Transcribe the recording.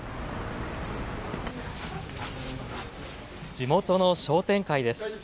地元の商店会です。